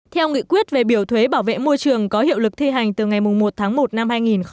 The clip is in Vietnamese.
theo nghị quyết về biểu thuế bảo vệ môi trường có hiệu lực thi hành từ ngày một tháng một năm hai nghìn hai mươi